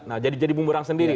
nah jadi jadi buku orang sendiri